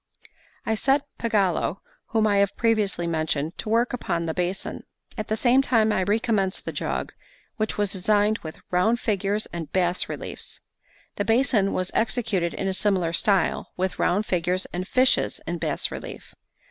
I set Pagolo, whom I have previously mentioned, to work upon the basin. At the same time I recommenced the jug, which was designed with round figures and bas reliefs. The basin was executed in a similar style, with round figures and fishes in bas relief.